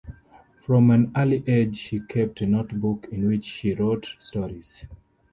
From an early age, she kept a notebook in which she wrote stories.